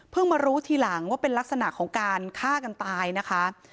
มารู้ทีหลังว่าเป็นลักษณะของการฆ่ากันตายนะคะ